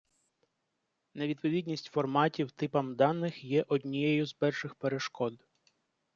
Невідповідність форматів типам даних є однією з перших перешкод.